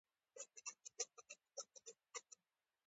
دده د کیسې له بیان سره سم، روټۍ راورسېده.